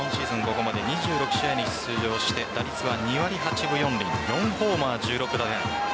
ここまで２６試合に出場して打率は２割８分４厘４ホーマー、１６打点。